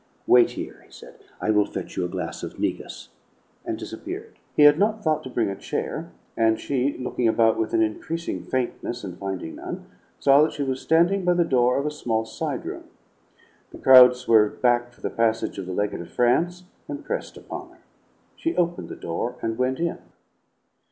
"Wait here," he said; "I will fetch you a glass of negus," and disappeared. He had not thought to bring a chair, and she, looking about with an increasing faintness and finding none, saw that she was standing by the door of a small side room. The crowd swerved back for the passage of the legate of France, and pressed upon her. She opened the door, and went in.